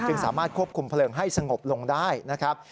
สามารถควบคุมเพลิงให้สงบลงได้นะครับ